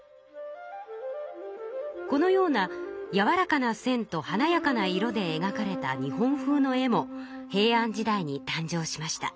このようなやわらかな線とはなやかな色でえがかれた日本風の絵も平安時代に誕生しました。